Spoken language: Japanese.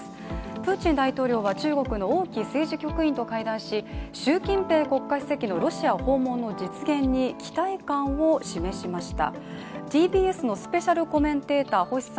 プーチン大統領は中国の王毅政治局員と会談し習近平国家主席のロシア訪問の実現に期待感を示しました。